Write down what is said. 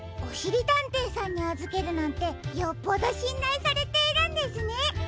おしりたんていさんにあずけるなんてよっぽどしんらいされているんですね。